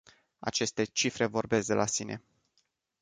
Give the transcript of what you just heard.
Aceste cifre vorbesc de la sine!